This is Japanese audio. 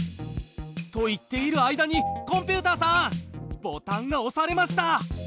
と言っている間にコンピュータさんボタンがおされました！